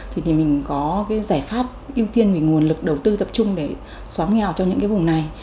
thì mình có cái giải pháp ưu tiên về nguồn lực đầu tư tập trung để xóa nghèo cho những cái vùng này